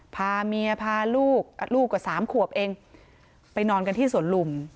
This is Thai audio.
พาเมียพาลูกลูกกว่าสามขวบเองไปนอนกันที่สวนลุม